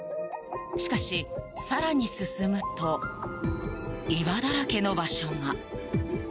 しかし、更に進むと岩だらけの場所が。